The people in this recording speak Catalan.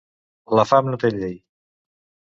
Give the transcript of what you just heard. La fam no té llei.